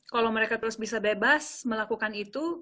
kalau mereka terus bisa bebas melakukan itu